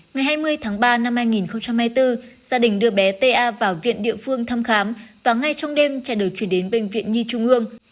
ngày hai mươi tháng ba năm hai nghìn hai mươi bốn gia đình đưa bé ta vào viện địa phương thăm khám và ngay trong đêm trẻ được chuyển đến bệnh viện nhi trung ương